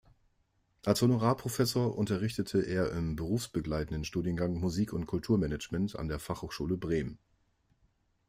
Als Honorarprofessor unterrichtete er im berufsbegleitenden Studiengang Musik- und Kulturmanagement an der Fachhochschule Bremen.